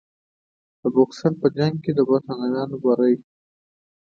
د بوکسر په جنګ کې د برټانویانو بری.